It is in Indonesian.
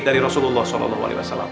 dari rasulullah sallallahu alaihi wasallam